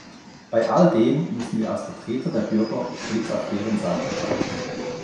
Bei all dem müssen wir als Vertreter der Bürger stets auf deren Seite bleiben.